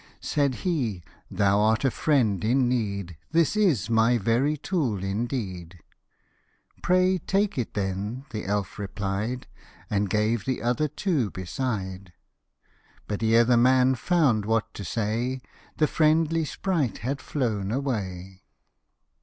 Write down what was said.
Said he, " Thou art a friend in need, This is my very tool indeed !"" Pray take it then," the elf replied, And gave the other two beside ; But ere the man found what to say, The friendly sprite had flown away.